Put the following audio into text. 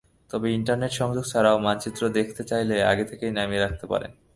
তবে ইন্টারনেট সংযোগ ছাড়াও মানচিত্র দেখতে চাইলে আগে থেকেই নামিয়ে রাখতে পারেন।